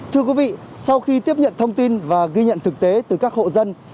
thưa quý vị sau khi tiếp nhận thông tin và ghi nhận thực tế từ các hộ dân